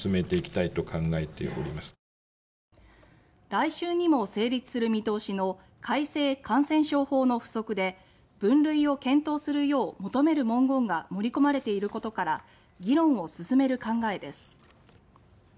来週にも成立する見通しの改正感染症法の付則で分類を検討するよう求める文言が盛り込まれていることから議論を進める考えです。